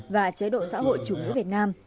và chế độ xã hội chủ nghĩa việt nam